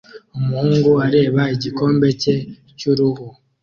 Umuhungu areba igikomo cye cyuruhu